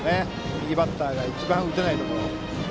右バッターが一番打てないところ。